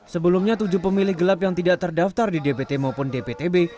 sebelumnya tujuh pemilih gelap yang tidak terdaftar di dpt maupun dptb